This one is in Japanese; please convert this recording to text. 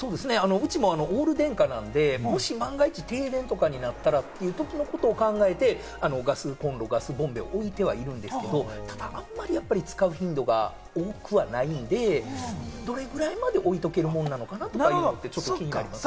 うちもオール電化なんで、万が一、停電になったらとかいうことを考えて、ガスコンロ、ガスボンベを置いてはいるんですけれども、ただ、あんまり使う頻度が多くはないんで、どれぐらいまで置いとけるもんなのかなというのがあって、気になりますね。